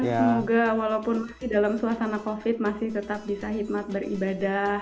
semoga walaupun dalam suasana covid masih tetap bisa hikmat beribadah